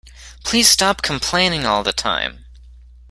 Please stop complaining all the time!